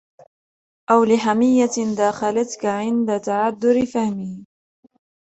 أَوْ لِحَمِيَّةٍ دَاخَلَتْك عِنْدَ تَعَذُّرِ فَهْمِهِ